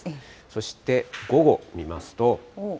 そして午後見ますと。